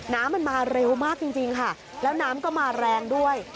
น้ำมันมาเร็วมากจริงค่ะแล้วน้ำก็มาแรงด้วย